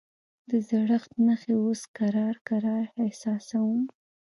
د زړښت نښې اوس کرار کرار احساسوم.